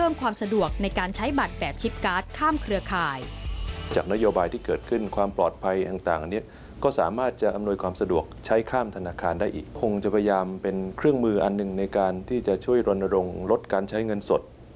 มันจะพยายามเป็นเครื่องมืออันหนึ่งในการที่จะช่วยรณรงค์ลดการใช้เงินสด